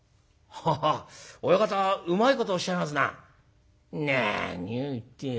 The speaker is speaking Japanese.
「何を言って親方うまいことおっしゃいますな。